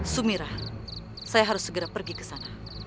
sumirah saya harus segera pergi ke sana